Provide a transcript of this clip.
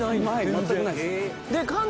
全くないです。